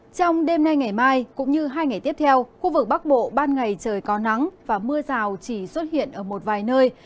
trong đêm nay ngày mai cũng như hai ngày tiếp theo khu vực bắc bộ ban ngày trời có nắng và mưa rào chỉ xuất hiện ở một vài nơi